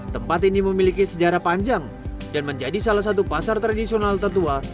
tempat ini memiliki sejarah panjang dan menjadi salah satu pasar tradisional tertua